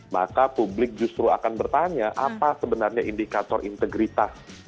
maka publik justru akan bertanya apa sebenarnya indikator integritas